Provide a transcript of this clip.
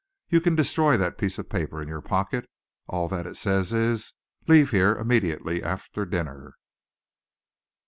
You can destroy that piece of paper in your pocket. All that it says is 'Leave here immediately after dinner.